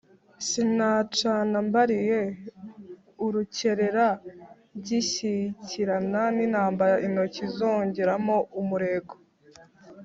sinacana mbaliye urukerera ngishyikirana n’intambara intoki nzongeramo umurego,